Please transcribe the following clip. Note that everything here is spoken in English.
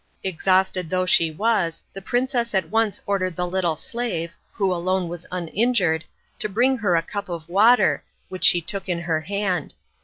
Exhausted though she was, the princess at once ordered the little slave, who alone was uninjured, to bring her a cup of water, which she took in her hand.